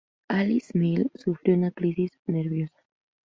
Alice Neel sufrió una crisis nerviosa.